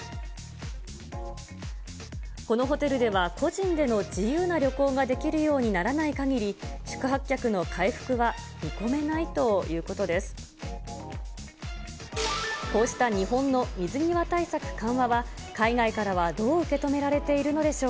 このホテルでは、個人での自由な旅行ができるようにならないかぎり、宿泊客の回復は見込めないということです。